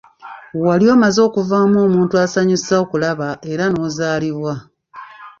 Wali omaze okuvaamu omuntu asanyusa okulaba era n'ozaalibwa.